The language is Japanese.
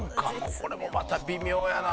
これもまた微妙やな。